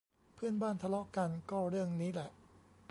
เพื่อนบ้านทะเลาะกันก็เรื่องนี้แหละ